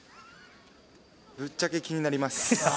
ぶっちゃけ気になります。